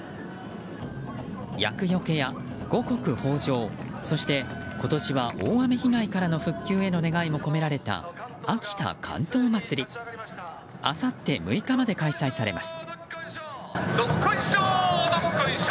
厄除けや五穀豊穣そして今年は大雨被害からの復旧の願いも込められた秋田竿燈まつりあさって６日まで開催されます。